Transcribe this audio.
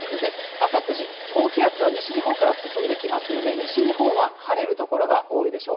朝９時、高気圧は西日本から進んできますので、西日本は晴れる所が多いでしょう。